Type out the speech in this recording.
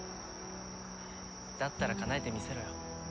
だったらかなえてみせろよ。